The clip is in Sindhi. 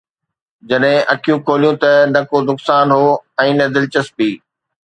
جڏهن اکيون کوليون ته نه ڪو نقصان هو ۽ نه دلچسپي